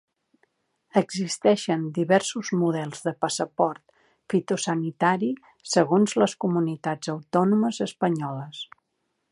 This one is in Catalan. Existeixen diversos models de passaport fitosanitari segons les comunitats Autònomes espanyoles.